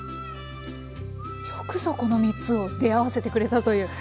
よくぞこの３つを出会わせてくれたという。